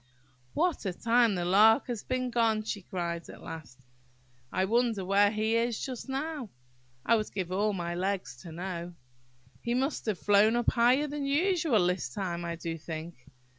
"What a time the Lark has been gone!" she cried, at last. "I wonder where he is just now! I would give all my legs to know! He must have flown up higher than usual this time, I do think!